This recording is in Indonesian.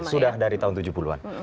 sudah dari tahun tujuh puluh an